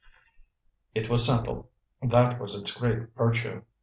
It was simple; that was its great virtue.